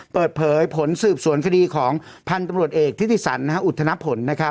เปิดเผยผลสืบสวนคดีของพันตรวจเอกทฤษันอุทนพล